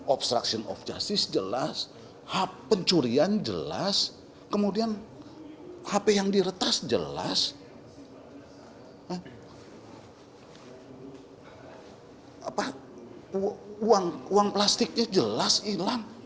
obstruction of justice jelas pencurian jelas kemudian hp yang diretas jelas uang plastiknya jelas hilang